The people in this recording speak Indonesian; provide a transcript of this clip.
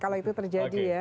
kalau itu terjadi ya